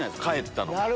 帰ったの。